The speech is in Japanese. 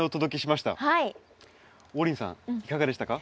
王林さんいかがでしたか？